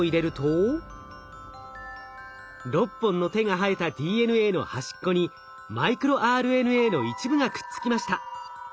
６本の手が生えたＤＮＡの端っこにマイクロＲＮＡの一部がくっつきました。